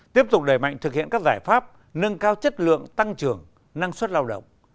tiếp tục đẩy mạnh thực hiện các giải pháp nâng cao chất lượng tăng trưởng năng suất lao động